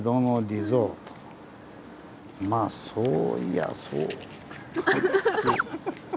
まあそういやそうか。